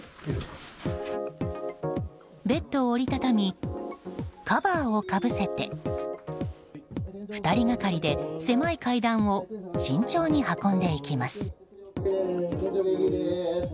ベッドを折り畳みカバーをかぶせて２人がかりで、狭い階段を慎重に運んでいきます。